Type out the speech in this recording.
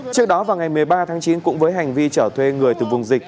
trước đó vào ngày một mươi ba tháng chín cũng với hành vi chở thuê người từ vùng dịch